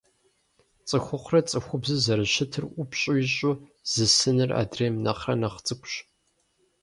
ЦӀыхухъурэ цӀыхубзу зэрыщытыр ӀупщӀ ищӀу, зысыныр адрейм нэхърэ нэхъ цӀыкӀущ.